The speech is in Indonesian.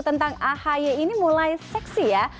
tentang ahy ini mulai seksi ya